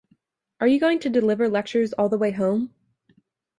Are you going to deliver lectures all the way home?